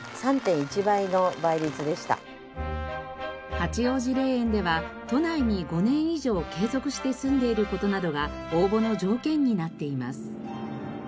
八王子霊園では都内に５年以上継続して住んでいる事などが応募の条件になっています。